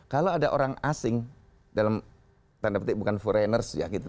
kalau ada orang asing dalam tanda petik bukan foreigners ya gitu